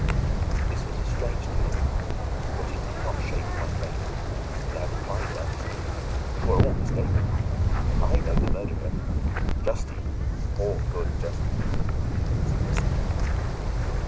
This was a strange tale, but it did not shake my faith; and I replied earnestly, "You are all mistaken; I know the murderer. Justine, poor, good Justine, is innocent."